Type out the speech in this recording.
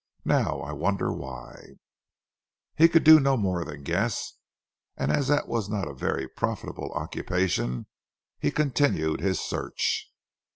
"Now, I wonder why?" He could do no more than guess, and as that was not a very profitable occupation he continued his search.